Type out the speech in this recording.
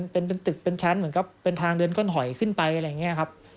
เป็นตึกเป็นชั้นเหมือนกับเป็นทางเดินก้นหอยขึ้นไปอะไรอย่างนี้ครับ